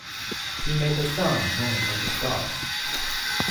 He made the sun, moon, and the stars.